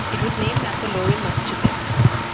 It was named after Lowell, Massachusetts.